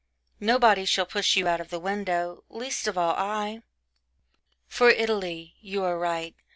Nobody shall push you out of the window least of all, I. For Italy ... you are right.